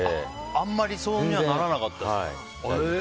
あんまりそういうふうにはならなかったんですね。